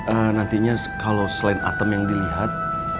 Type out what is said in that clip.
ehh nantinya kalo selain atem yang dilihat